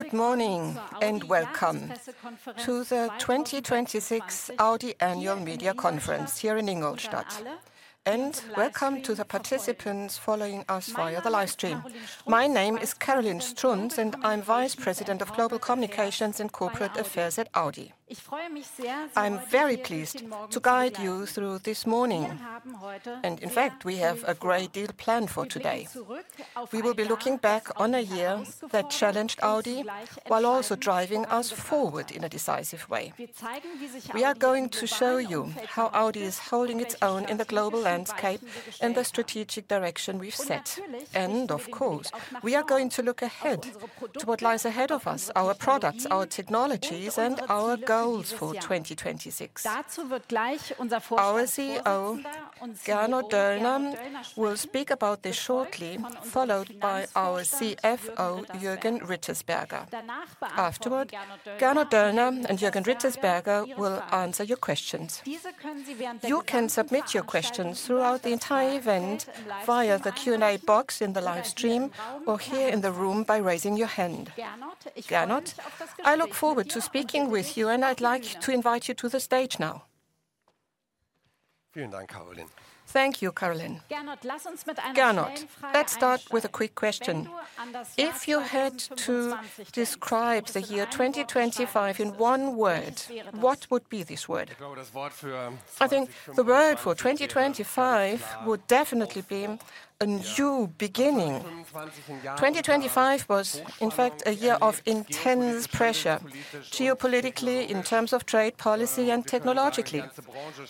Good morning, and welcome to the 2026 Audi Annual Media Conference here in Ingolstadt. Welcome to the participants following us via the live stream. My name is Carolin Strunz, and I'm Vice President of Global Communications and Corporate Affairs at Audi. I'm very pleased to guide you through this morning. In fact, we have a great deal planned for today. We will be looking back on a year that challenged Audi while also driving us forward in a decisive way. We are going to show you how Audi is holding its own in the global landscape and the strategic direction we've set. Of course, we are going to look ahead to what lies ahead of us, our products, our technologies, and our goals for 2026. Our CEO, Gernot Döllner, will speak about this shortly, followed by our CFO, Jürgen Rittersberger. Afterward, Gernot Döllner and Jürgen Rittersberger will answer your questions. You can submit your questions throughout the entire event via the Q&A box in the live stream or here in the room by raising your hand. Gernot, I look forward to speaking with you, and I'd like to invite you to the stage now. Thank you, Carolin. Gernot, let's start with a quick question. If you had to describe the year 2025 in one word, what would be this word? I think the word for 2025 would definitely be a new beginning. 2025 was, in fact, a year of intense pressure, geopolitically, in terms of trade policy, and technologically.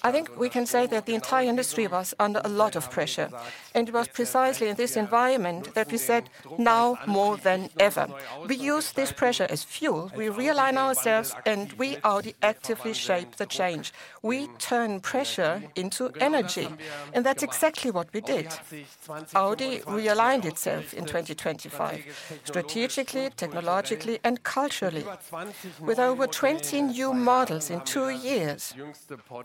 I think we can say that the entire industry was under a lot of pressure, and it was precisely in this environment that we said, now more than ever, we use this pressure as fuel, we realign ourselves, and we Audi actively shape the change. We turn pressure into energy, and that's exactly what we did. Audi realigned itself in 2025, strategically, technologically, and culturally. With over 20 new models in two years,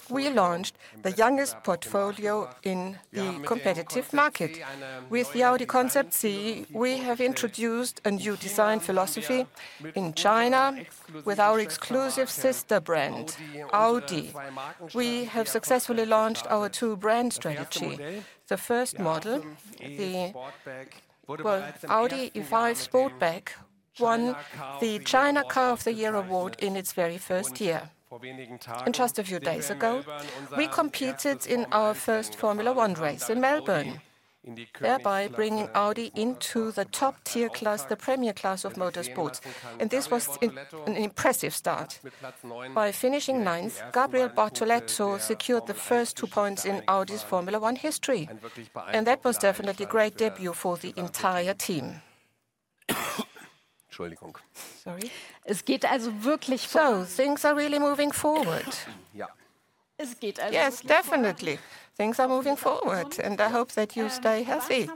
we launched the youngest portfolio in the competitive market. With the Audi Concept C, we have introduced a new design philosophy in China with our exclusive sister brand, Audi. We have successfully launched our two-brand strategy. The first model, the Audi E5 Sportback, won the China Car of the Year award in its very first year. Just a few days ago, we competed in our first Formula One race in Melbourne, thereby bringing Audi into the top-tier class, the premier class of motorsports. This was an impressive start. By finishing ninth, Gabriel Bortoleto secured the first two points in Audi's Formula One history, and that was definitely a great debut for the entire team. Sorry. Things are really moving forward. Yeah. Yes, definitely. Things are moving forward, and I hope that you stay healthy.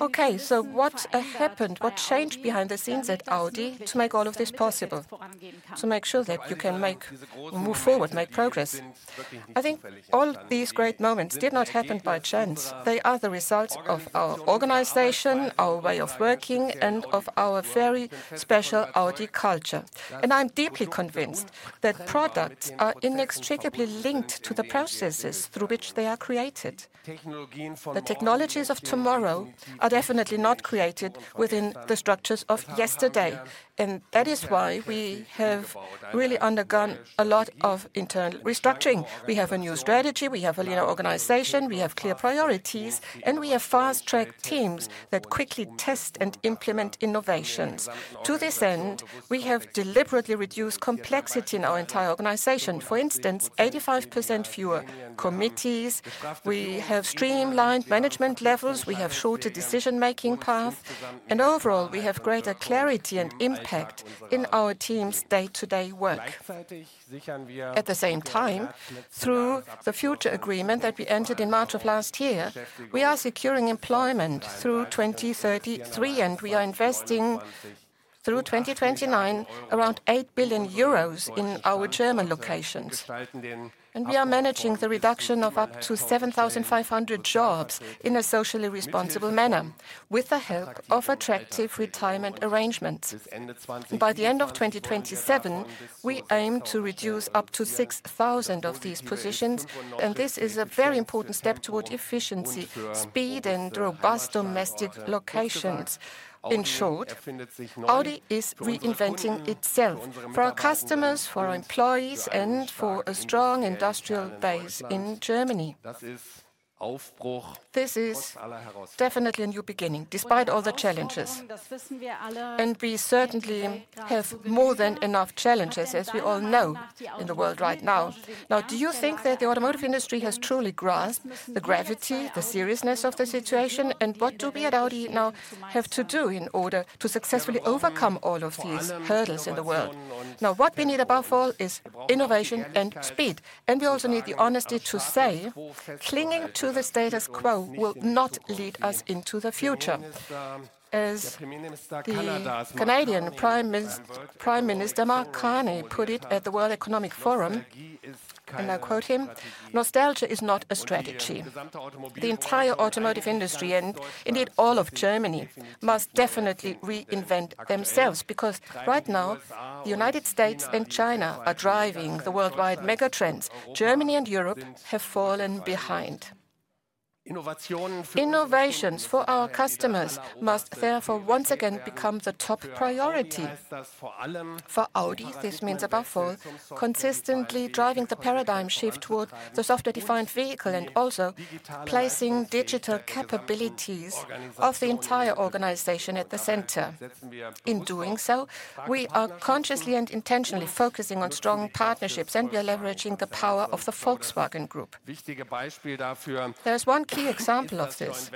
Okay, what happened, what changed behind the scenes at Audi to make all of this possible, to make sure that you can move forward, make progress? I think all these great moments did not happen by chance. They are the result of our organization, our way of working, and of our very special Audi culture. I'm deeply convinced that products are inextricably linked to the processes through which they are created. The technologies of tomorrow are definitely not created within the structures of yesterday, and that is why we have really undergone a lot of internal restructuring. We have a new strategy, we have a leaner organization, we have clear priorities, and we have fast-track teams that quickly test and implement innovations. To this end, we have deliberately reduced complexity in our entire organization. For instance, 85% fewer committees. We have streamlined management levels, we have shorter decision-making path, and overall, we have greater clarity and impact in our team's day-to-day work. At the same time, through the future agreement that we entered in March of last year, we are securing employment through 2033, and we are investing through 2029 around 8 billion euros in our German locations. We are managing the reduction of up to 7,500 jobs in a socially responsible manner with the help of attractive retirement arrangements. By the end of 2027, we aim to reduce up to 6,000 of these positions, and this is a very important step toward efficiency, speed, and robust domestic locations. In short, Audi is reinventing itself for our customers, for our employees, and for a strong industrial base in Germany. This is definitely a new beginning, despite all the challenges. We certainly have more than enough challenges, as we all know, in the world right now. Now, do you think that the automotive industry has truly grasped the gravity, the seriousness of the situation? What do we at Audi now have to do in order to successfully overcome all of these hurdles in the world? Now, what we need above all is innovation and speed, and we also need the honesty to say clinging to the status quo will not lead us into the future. As the Canadian Prime Minister Mark Carney put it at the World Economic Forum, and I quote him, "Nostalgia is not a strategy." The entire automotive industry, and indeed all of Germany, must definitely reinvent themselves because right now, the U.S. and China are driving the worldwide mega trends. Germany and Europe have fallen behind. Innovations for our customers must therefore once again become the top priority. For Audi, this means above all, consistently driving the paradigm shift toward the software-defined vehicle and also placing digital capabilities of the entire organization at the center. In doing so, we are consciously and intentionally focusing on strong partnerships, and we are leveraging the power of the Volkswagen Group. There is one key example of this,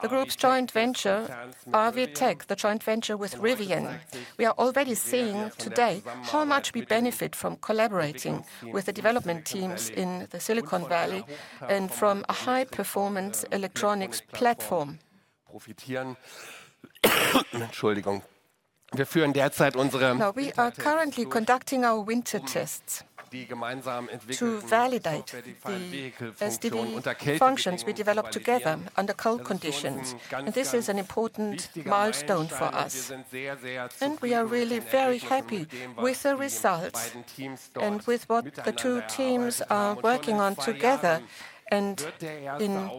the group's joint venture, RV Tech, the joint venture with Rivian. We are already seeing today how much we benefit from collaborating with the development teams in Silicon Valley and from a high-performance electronics platform. Now, we are currently conducting our winter tests to validate the SDV functions we developed together under cold conditions. This is an important milestone for us, and we are really very happy with the results and with what the two teams are working on together. In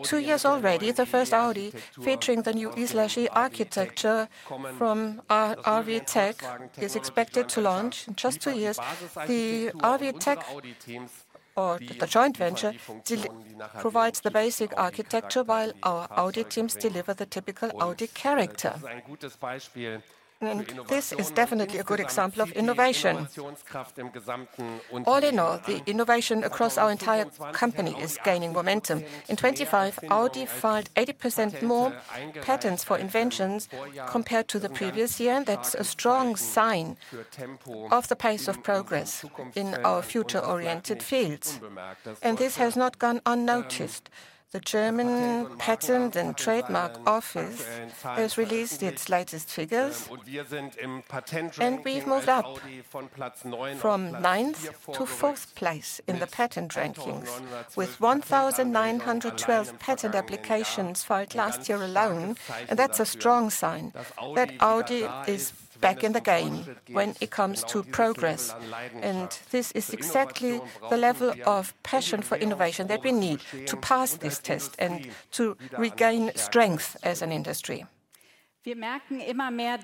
two years already, the first Audi featuring the new E/E architecture from RV Tech is expected to launch in just two years. The RV Tech, or the joint venture, provides the basic architecture, while our Audi teams deliver the typical Audi character. This is definitely a good example of innovation. All in all, the innovation across our entire company is gaining momentum. In 2025, Audi filed 80% more patents for inventions compared to the previous year. That's a strong sign of the pace of progress in our future-oriented fields, and this has not gone unnoticed. The German Patent and Trade Mark Office has released its latest figures. We've moved up from ninth to fourth place in the patent rankings, with 1,912 patent applications filed last year alone. That's a strong sign that Audi is back in the game when it comes to progress. This is exactly the level of passion for innovation that we need to pass this test and to regain strength as an industry. We notice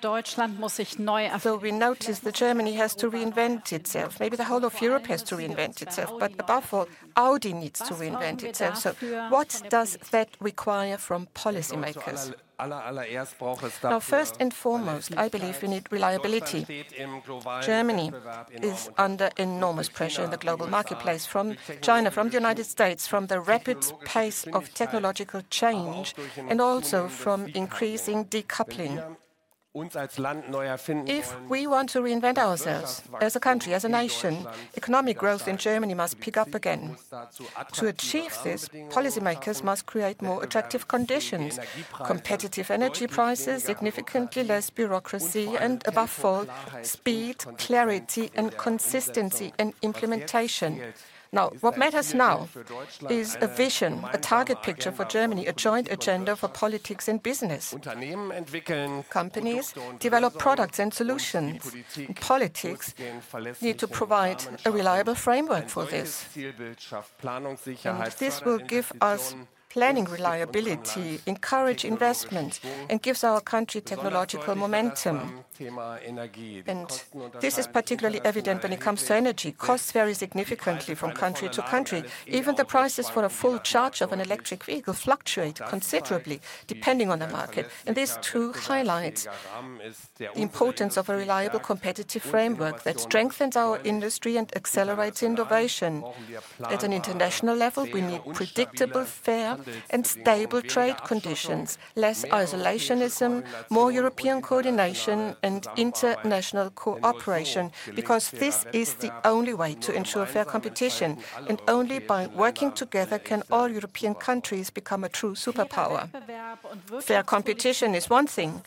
that Germany has to reinvent itself. Maybe the whole of Europe has to reinvent itself, but above all, Audi needs to reinvent itself. What does that require from policymakers? Now, first and foremost, I believe we need reliability. Germany is under enormous pressure in the global marketplace from China, from the U.S., from the rapid pace of technological change, and also from increasing decoupling. If we want to reinvent ourselves as a country, as a nation, economic growth in Germany must pick up again. To achieve this, policymakers must create more attractive conditions, competitive energy prices, significantly less bureaucracy, and above all, speed, clarity, and consistency in implementation. Now, what matters now is a vision, a target picture for Germany, a joint agenda for politics and business. Companies develop products and solutions. Politics need to provide a reliable framework for this. This will give us planning reliability, encourage investment, and gives our country technological momentum. This is particularly evident when it comes to energy. Costs vary significantly from country to country. Even the prices for a full charge of an electric vehicle fluctuate considerably depending on the market, and this too highlights the importance of a reliable, competitive framework that strengthens our industry and accelerates innovation. At an international level, we need predictable, fair, and stable trade conditions, less isolationism, more European coordination, and international cooperation, because this is the only way to ensure fair competition. Only by working together can all European countries become a true superpower. Fair competition is one thing,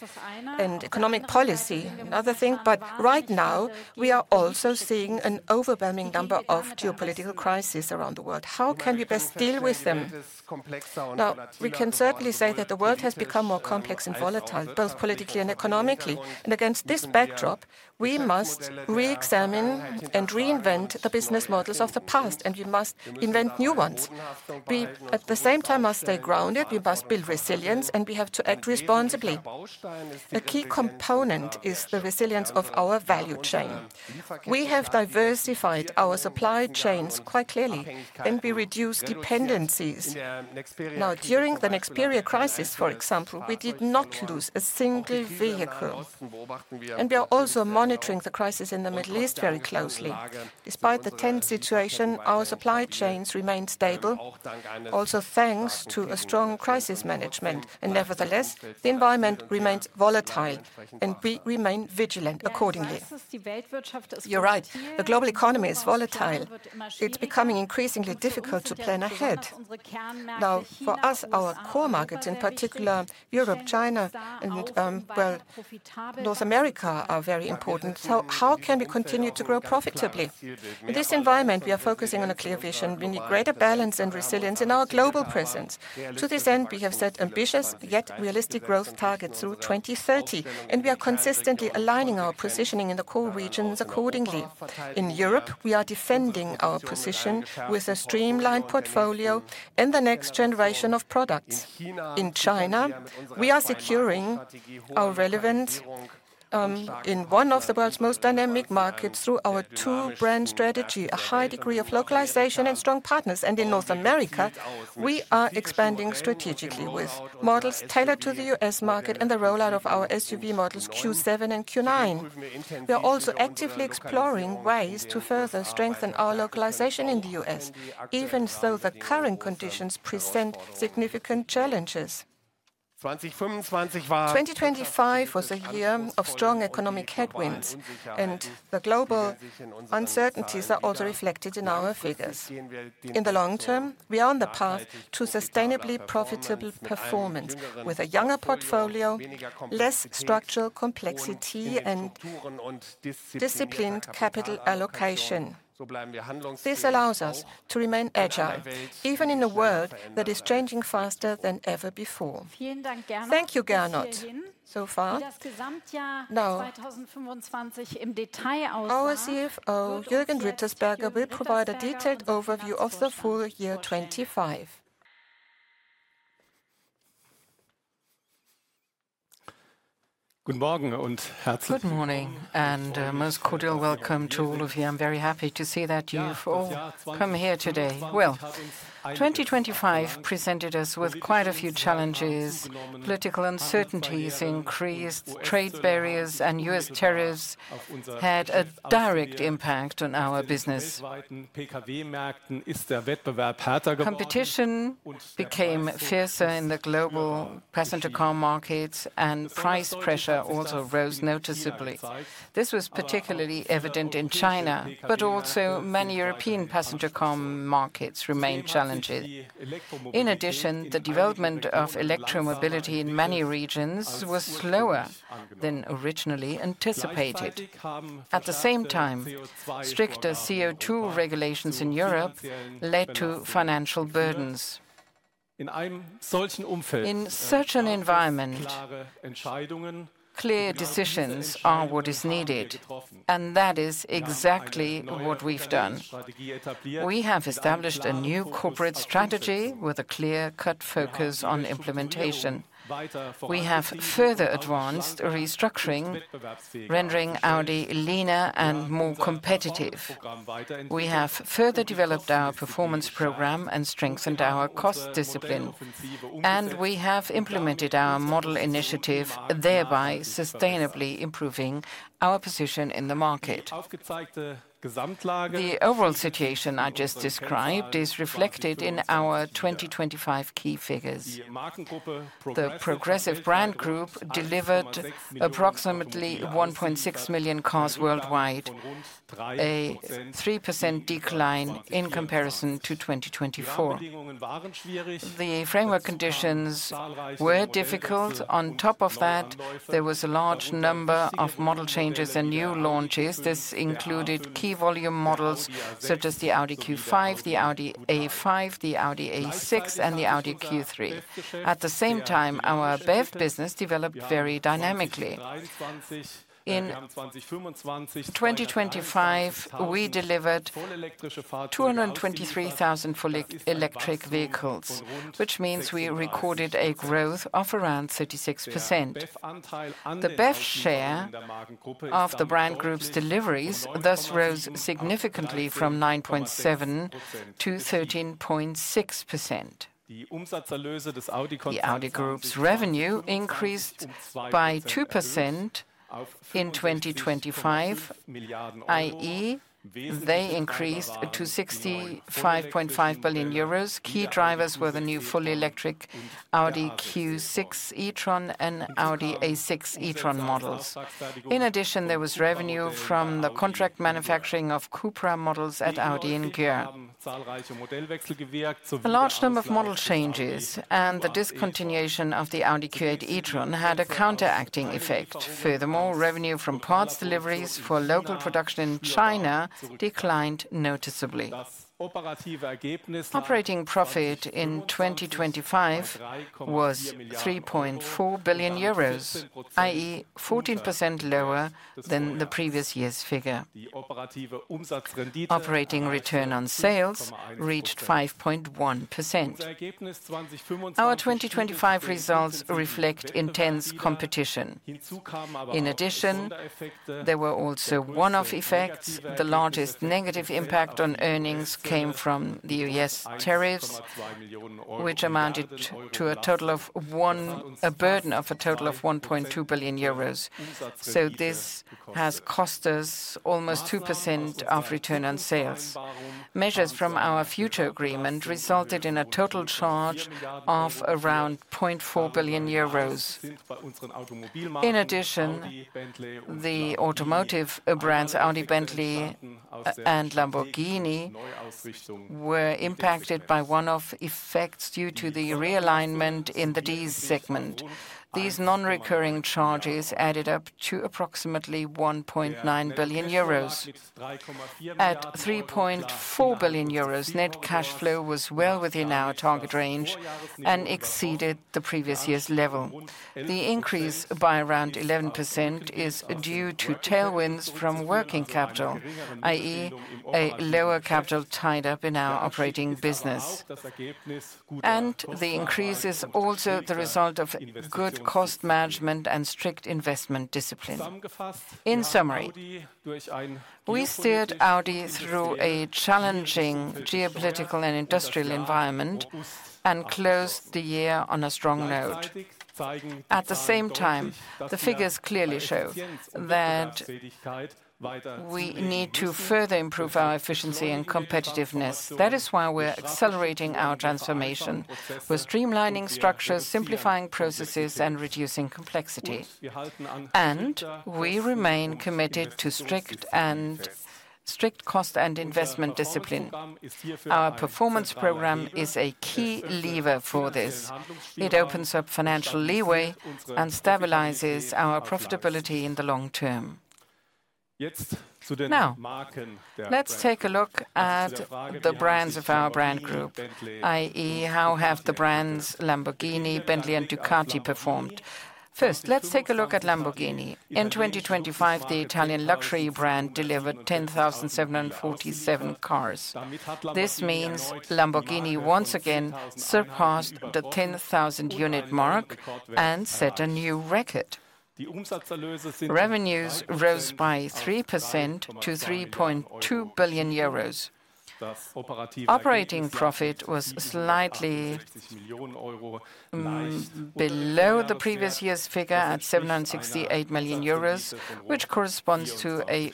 and economic policy another thing, but right now we are also seeing an overwhelming number of geopolitical crises around the world. How can we best deal with them? Now, we can certainly say that the world has become more complex and volatile, both politically and economically. Against this backdrop, we must reexamine and reinvent the business models of the past, and we must invent new ones. We at the same time must stay grounded, we must build resilience, and we have to act responsibly. A key component is the resilience of our value chain. We have diversified our supply chains quite clearly, and we reduce dependencies. Now, during the Nexperia crisis, for example, we did not lose a single vehicle. We are also monitoring the crisis in the Middle East very closely. Despite the tense situation, our supply chains remain stable, also thanks to a strong crisis management. Nevertheless, the environment remains volatile, and we remain vigilant accordingly. You're right, the global economy is volatile. It's becoming increasingly difficult to plan ahead. Now, for us, our core markets, in particular Europe, China, and, well, North America, are very important. How can we continue to grow profitably? In this environment, we are focusing on a clear vision. We need greater balance and resilience in our global presence. To this end, we have set ambitious yet realistic growth targets through 2030, and we are consistently aligning our positioning in the core regions accordingly. In Europe, we are defending our position with a streamlined portfolio in the next generation of products. In China, we are securing our relevance, in one of the world's most dynamic markets through our two-brand strategy, a high degree of localization and strong partners. In North America, we are expanding strategically with models tailored to the U.S. market and the rollout of our SUV models Q7 and Q9. We are also actively exploring ways to further strengthen our localization in the U.S., even though the current conditions present significant challenges. 2025 was a year of strong economic headwinds, and the global uncertainties are also reflected in our figures. In the long term, we are on the path to sustainably profitable performance with a younger portfolio, less structural complexity and disciplined capital allocation. This allows us to remain agile, even in a world that is changing faster than ever before. Thank you, Gernot Döllner, so far. Now, our CFO, Jürgen Rittersberger, will provide a detailed overview of the full year 2025. Good morning, and most cordial welcome to all of you. I'm very happy to see that you've all come here today. Well, 2025 presented us with quite a few challenges. Political uncertainties increased. Trade barriers and US tariffs had a direct impact on our business. Competition became fiercer in the global passenger car markets, and price pressure also rose noticeably. This was particularly evident in China, but also many European passenger car markets remained challenging. In addition, the development of electro-mobility in many regions was slower than originally anticipated. At the same time, stricter CO2 regulations in Europe led to financial burdens. In such an environment, clear decisions are what is needed, and that is exactly what we've done. We have established a new corporate strategy with a clear-cut focus on implementation. We have further advanced restructuring, rendering Audi leaner and more competitive. We have further developed our performance program and strengthened our cost discipline. We have implemented our model initiative, thereby sustainably improving our position in the market. The overall situation I just described is reflected in our 2025 key figures. The Progressive brand group delivered approximately 1.6 million cars worldwide, a 3% decline in comparison to 2024. The framework conditions were difficult. On top of that, there was a large number of model changes and new launches. This included key volume models, such as the Audi Q5, the Audi A5, the Audi A6, and the Audi Q3. At the same time, our BEV business developed very dynamically. In 2025, we delivered 223,000 fully electric vehicles, which means we recorded a growth of around 36%. The BEV share of the brand group's deliveries thus rose significantly from 9.7% to 13.6%. The Audi Group's revenue increased by 2% in 2025, i.e., they increased to 65.5 billion euros. Key drivers were the new fully electric Audi Q6 e-tron and Audi A6 e-tron models. In addition, there was revenue from the contract manufacturing of CUPRA models at Audi in Győr. A large number of model changes and the discontinuation of the Audi Q8 e-tron had a counteracting effect. Furthermore, revenue from parts deliveries for local production in China declined noticeably. Operating profit in 2025 was 3.4 billion euros, i.e., 14% lower than the previous year's figure. Operating return on sales reached 5.1%. Our 2025 results reflect intense competition. In addition, there were also one-off effects. The largest negative impact on earnings came from the US tariffs, which amounted to a burden of a total of 1.2 billion euros. This has cost us almost 2% of return on sales. Measures from our future agreement resulted in a total charge of around 0.4 billion euros. In addition, the automotive brands Audi, Bentley, and Lamborghini were impacted by one-off effects due to the realignment in the D-segment. These non-recurring charges added up to approximately 1.9 billion euros. At 3.4 billion euros, net cash flow was well within our target range and exceeded the previous year's level. The increase by around 11% is due to tailwinds from working capital, i.e., a lower capital tied up in our operating business. The increase is also the result of good cost management and strict investment discipline. In summary, we steered Audi through a challenging geopolitical and industrial environment and closed the year on a strong note. At the same time, the figures clearly show that we need to further improve our efficiency and competitiveness. That is why we're accelerating our transformation. We're streamlining structures, simplifying processes, and reducing complexity. We remain committed to strict cost and investment discipline. Our performance program is a key lever for this. It opens up financial leeway and stabilizes our profitability in the long term. Now, let's take a look at the brands of our brand group, i.e., how have the brands Lamborghini, Bentley, and Ducati performed? First, let's take a look at Lamborghini. In 2025, the Italian luxury brand delivered 10,747 cars. This means Lamborghini, once again, surpassed the 10,000 unit mark and set a new record. Revenues rose by 3% to 3.2 billion euros. Operating profit was slightly below the previous year's figure at 768 million euros, which corresponds to a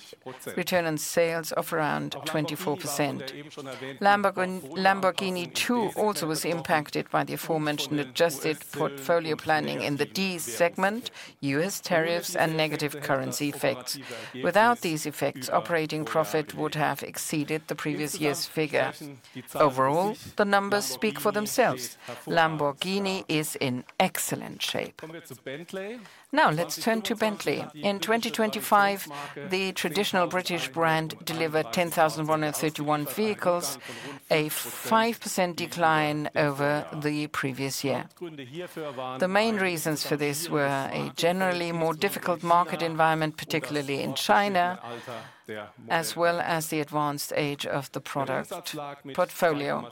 return on sales of around 24%. Lamborghini too was impacted by the aforementioned adjusted portfolio planning in the D-segment, U.S. tariffs, and negative currency effects. Without these effects, operating profit would have exceeded the previous year's figure. Overall, the numbers speak for themselves. Lamborghini is in excellent shape. Now let's turn to Bentley. In 2025, the traditional British brand delivered 10,131 vehicles, a 5% decline over the previous year. The main reasons for this were a generally more difficult market environment, particularly in China, as well as the advanced age of the product portfolio.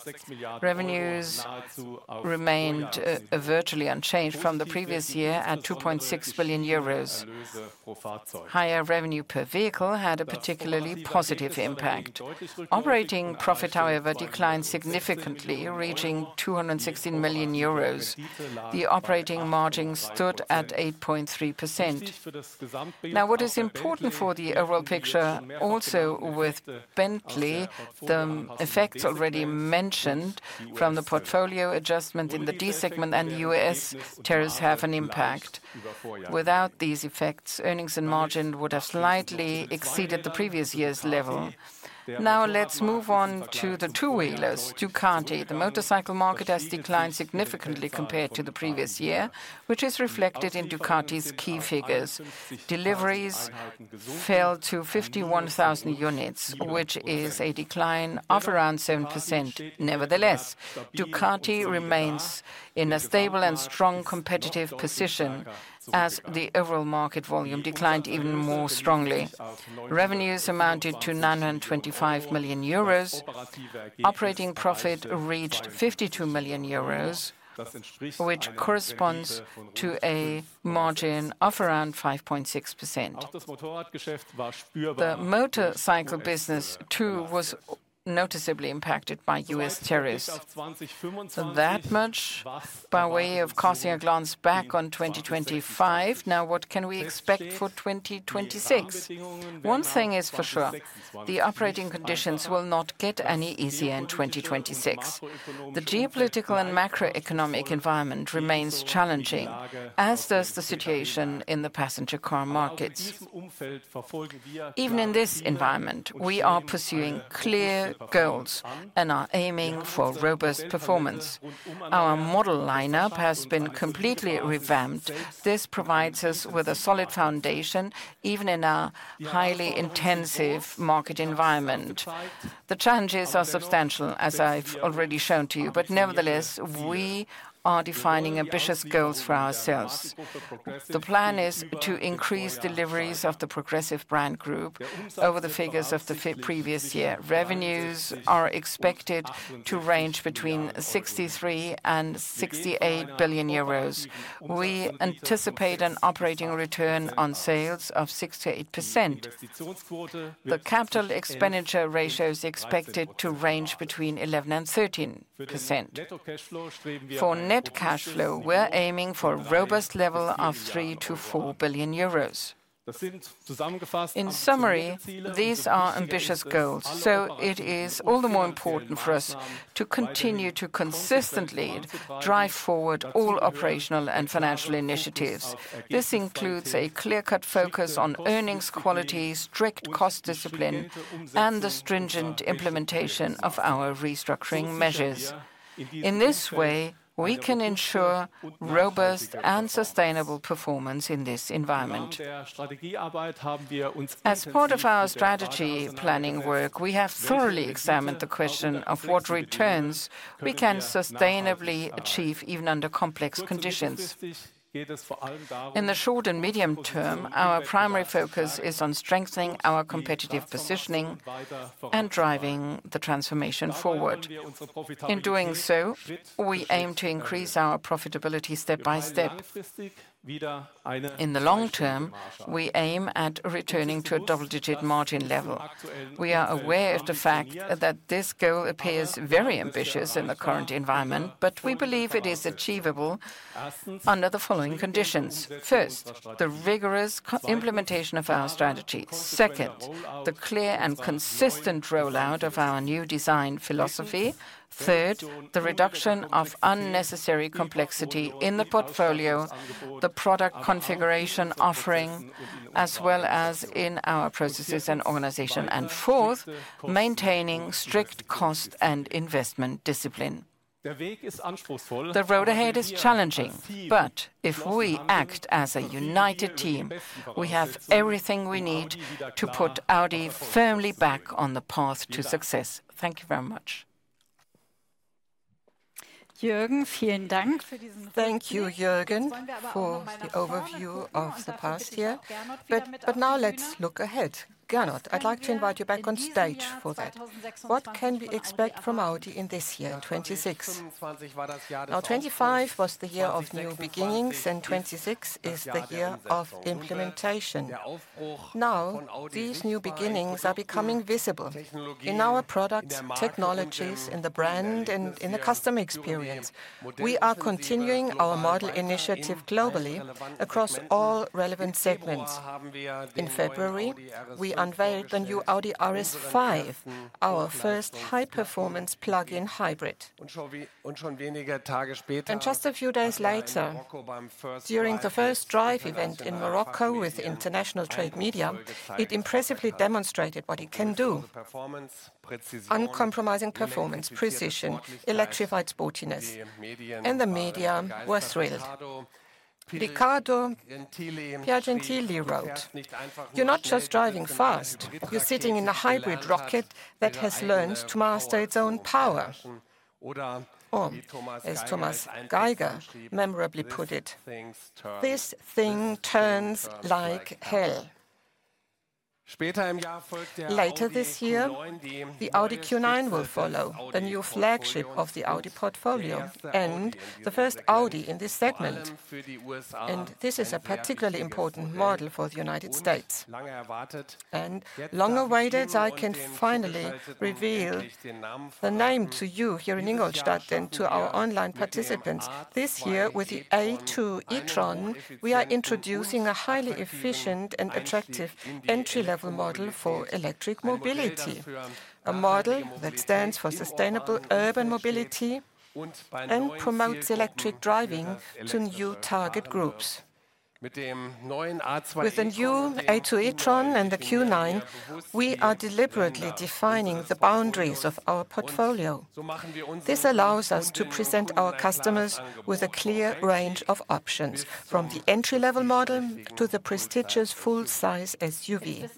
Revenues remained virtually unchanged from the previous year at 2.6 billion euros. Higher revenue per vehicle had a particularly positive impact. Operating profit, however, declined significantly, reaching 216 million euros. The operating margin stood at 8.3%. Now, what is important for the overall picture also with Bentley, the effects already mentioned from the portfolio adjustment in the D-segment and U.S. tariffs have an impact. Without these effects, earnings and margin would have slightly exceeded the previous year's level. Now let's move on to the two-wheelers, Ducati. The motorcycle market has declined significantly compared to the previous year, which is reflected in Ducati's key figures. Deliveries fell to 51,000 units, which is a decline of around 7%. Nevertheless, Ducati remains in a stable and strong competitive position as the overall market volume declined even more strongly. Revenues amounted to 925 million euros. Operating profit reached 52 million euros, which corresponds to a margin of around 5.6%. The motorcycle business, too, was noticeably impacted by U.S. tariffs. That much by way of casting a glance back on 2025. Now, what can we expect for 2026? One thing is for sure, the operating conditions will not get any easier in 2026. The geopolitical and macroeconomic environment remains challenging, as does the situation in the passenger car markets. Even in this environment, we are pursuing clear goals and are aiming for robust performance. Our model lineup has been completely revamped. This provides us with a solid foundation, even in a highly intensive market environment. The challenges are substantial, as I've already shown to you. Nevertheless, we are defining ambitious goals for ourselves. The plan is to increase deliveries of the Progressive brand group over the figures of the pre-previous year. Revenues are expected to range between 63 billion and 68 billion euros. We anticipate an operating return on sales of 6%-8%. The capital expenditure ratio is expected to range between 11% and 13%. For net cash flow, we're aiming for a robust level of 3 billion-4 billion euros. In summary, these are ambitious goals, so it is all the more important for us to continue to consistently drive forward all operational and financial initiatives. This includes a clear-cut focus on earnings quality, strict cost discipline, and the stringent implementation of our restructuring measures. In this way, we can ensure robust and sustainable performance in this environment. As part of our strategy planning work, we have thoroughly examined the question of what returns we can sustainably achieve, even under complex conditions. In the short and medium term, our primary focus is on strengthening our competitive positioning and driving the transformation forward. In doing so, we aim to increase our profitability step by step. In the long term, we aim at returning to a double-digit margin level. We are aware of the fact that this goal appears very ambitious in the current environment, but we believe it is achievable under the following conditions. First, the rigorous implementation of our strategy. Second, the clear and consistent rollout of our new design philosophy. Third, the reduction of unnecessary complexity in the portfolio, the product configuration offering, as well as in our processes and organization. Fourth, maintaining strict cost and investment discipline. The road ahead is challenging, but if we act as a united team, we have everything we need to put Audi firmly back on the path to success. Thank you very much. Thank you, Jürgen, for the overview of the past year. Now let's look ahead. Gernot, I'd like to invite you back on stage for that. What can we expect from Audi in this year, 2026? Now, 2025 was the year of new beginnings, and 2026 is the year of implementation. Now, these new beginnings are becoming visible in our products, technologies, in the brand, and in the customer experience. We are continuing our model initiative globally across all relevant segments. In February, we unveiled the new Audi RS5, our first high-performance plug-in hybrid. Just a few days later, during the first drive event in Morocco with international trade media, it impressively demonstrated what it can do. Uncompromising performance, precision, electrified sportiness, and the media was thrilled. Riccardo Piergentili wrote, "You're not just driving fast, you're sitting in a hybrid rocket that has learned to master its own power." Or, as Thomas Geiger memorably put it, "This thing turns like hell." Later this year, the Audi Q9 will follow, the new flagship of the Audi portfolio, and the first Audi in this segment. This is a particularly important model for the U.S.. Long awaited, I can finally reveal the name to you here in Ingolstadt, then to our online participants. This year, with the A2 e-tron, we are introducing a highly efficient and attractive entry-level model for electric mobility, a model that stands for sustainable urban mobility and promotes electric driving to new target groups. With the new A2 e-tron and the Q9, we are deliberately defining the boundaries of our portfolio. This allows us to present our customers with a clear range of options, from the entry-level model to the prestigious full-size SUV.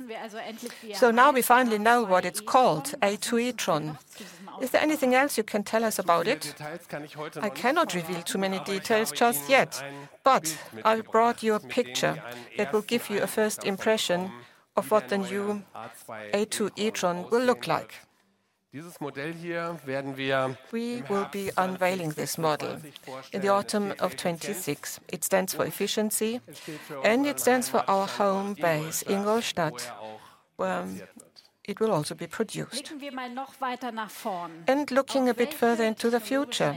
Now we finally know what it's called, A2 e-tron. Is there anything else you can tell us about it? I cannot reveal too many details just yet, but I brought you a picture that will give you a first impression of what the new A2 e-tron will look like. We will be unveiling this model in the autumn of 2026. It stands for efficiency, and it stands for our home base, Ingolstadt, where it will also be produced. Looking a bit further into the future,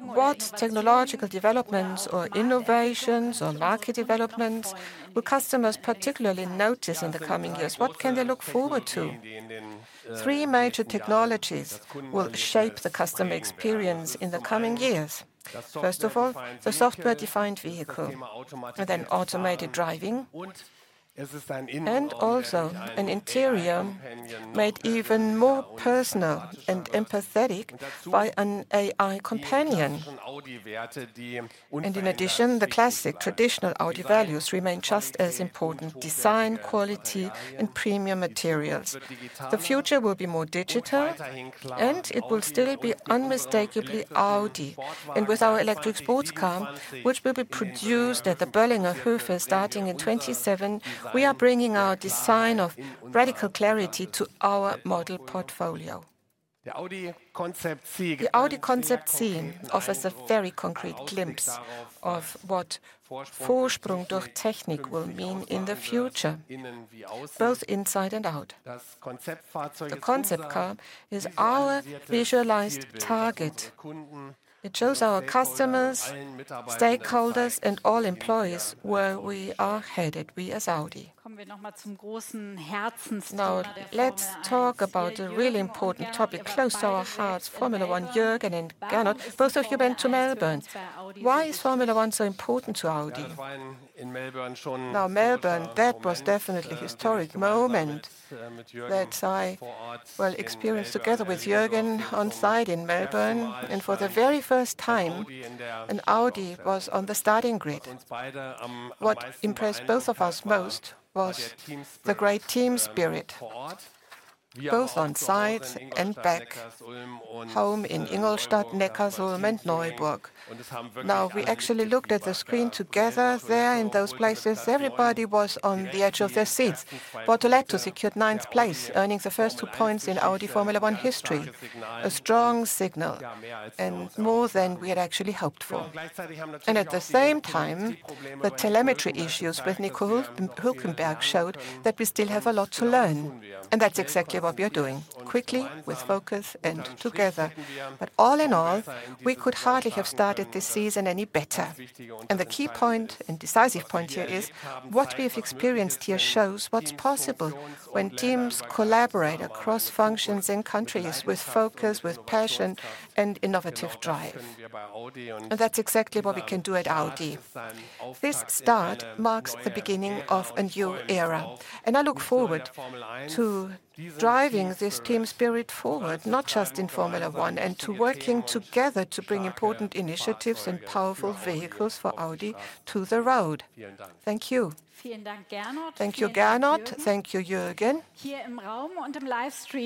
what technological developments or innovations or market developments will customers particularly notice in the coming years? What can they look forward to? Three major technologies will shape the customer experience in the coming years. First of all, the software-defined vehicle, and then automated driving, and also an interior made even more personal and empathetic by an AI companion. In addition, the classic traditional Audi values remain just as important, design, quality, and premium materials. The future will be more digital, and it will still be unmistakably Audi. With our electric sports car, which will be produced at the Böllinger Höfe starting in 2027, we are bringing our design of radical clarity to our model portfolio. The Audi Concept C offers a very concrete glimpse of what Vorsprung durch Technik will mean in the future, both inside and out. The concept car is our visualized target. It shows our customers, stakeholders, and all employees where we are headed, we as Audi. Now, let's talk about a really important topic, close to our hearts, Formula One. Jürgen and Gernot, both of you went to Melbourne. Why is Formula One so important to Audi? Now, Melbourne, that was definitely a historic moment that I, well, experienced together with Jürgen on site in Melbourne. For the very first time, an Audi was on the starting grid. What impressed both of us most was the great team spirit, both on site and back home in Ingolstadt, Neckarsulm, and Neuburg. Now, we actually looked at the screen together there in those places. Everybody was on the edge of their seats. Bortoleto secured ninth place, earning the first two points in Audi Formula One history. A strong signal, and more than we had actually hoped for. At the same time, the telemetry issues with Nico Hülkenberg showed that we still have a lot to learn, and that's exactly what we are doing, quickly, with focus, and together. All in all, we could hardly have started this season any better. The key point and decisive point here is what we have experienced here shows what's possible when teams collaborate across functions and countries with focus, with passion, and innovative drive. That's exactly what we can do at Audi. This start marks the beginning of a new era, and I look forward to driving this team spirit forward, not just in Formula One, and to working together to bring important initiatives and powerful vehicles for Audi to the road. Thank you. Thank you, Gernot. Thank you, Jürgen.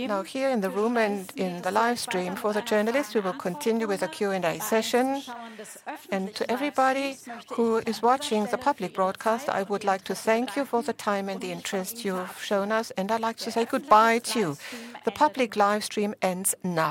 Now, here in the room and in the live stream for the journalists, we will continue with a Q&A session. To everybody who is watching the public broadcast, I would like to thank you for the time and the interest you have shown us, and I'd like to say goodbye to you. The public live stream ends now.